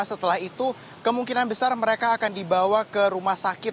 setelah itu kemungkinan besar mereka akan dibawa ke rumah sakit